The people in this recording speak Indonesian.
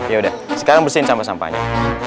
yaudah sekarang bersihin sampah sampahnya